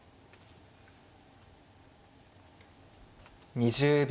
２０秒。